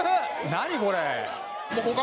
何これ！？